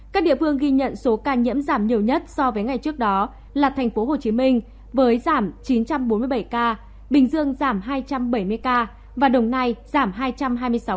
các địa phương ghi nhận số ca nhiễm giảm nhiều nhất so với ngày trước đó là tp hcm với giảm chín trăm bốn mươi bảy ca bình dương giảm hai trăm bảy mươi ca và đồng nai giảm hai trăm hai mươi sáu ca